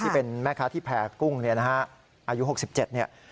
ที่เป็นแม่ค้าที่แผ่กุ้งเนี่ยนะฮะอายุ๖๗เนี่ย